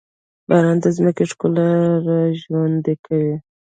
باران د ځمکې ښکلا راژوندي کوي.